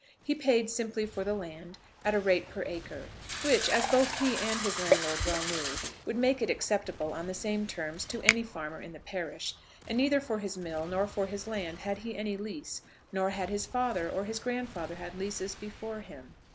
He paid simply for the land at a rate per acre, which, as both he and his landlord well knew, would make it acceptable on the same terms to any farmer in the parish; and neither for his mill, nor for his land, had he any lease, nor had his father or his grandfather had leases before him.